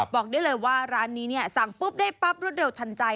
บอกได้เลยว่าร้านนี้เนี่ยสั่งปุ๊บได้ปั๊บรวดเร็วทันใจ